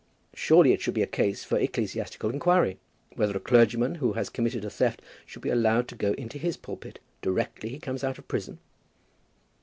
Surely it should be a case for ecclesiastical inquiry, whether a clergyman who has committed a theft should be allowed to go into his pulpit directly he comes out of prison?"